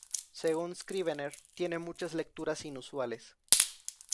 Según Scrivener tiene muchas lecturas inusuales.